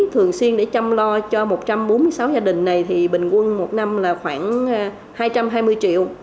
thường xuyên để chăm lo cho một trăm bốn mươi sáu gia đình này thì bình quân một năm là khoảng hai trăm hai mươi triệu